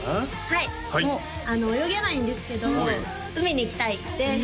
はい泳げないんですけど海に行きたいです